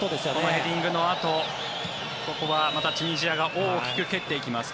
ヘディングのあとここはまたチュニジアが大きく蹴っていきます。